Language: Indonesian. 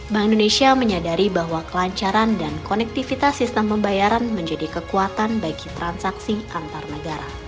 bank indonesia menyadari bahwa kelancaran dan konektivitas sistem pembayaran menjadi kekuatan bagi transaksi antar negara